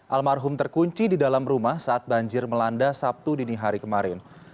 almarhum terkunci di dalam rumah saat banjir melanda sabtu dini hari kemarin